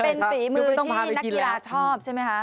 เป็นฝีมือที่นักกีฬาชอบใช่ไหมคะ